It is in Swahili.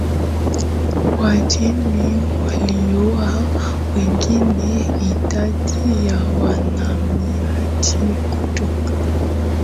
Wajemi waliooa wenyeji Idadi ya wahamiaji kutoka